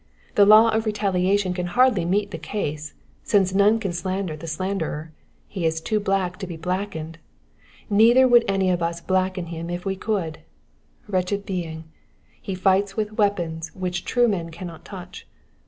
The law of retaliation can hardly meet the case, since none can slander the slanderer, he is too black to be blackened ; neither would any of us blacken him if we could. Wretched being I He fights with weapons which true men cannot touch.